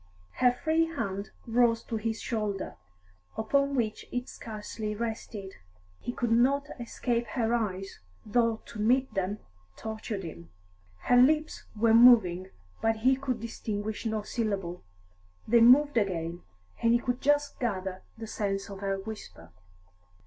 Her free hand rose to his shoulder, upon which it scarcely rested. He could not escape her eyes, though to meet them tortured him. Her lips were moving, but he could distinguish no syllable; they moved again, and he could just gather the sense of her whisper.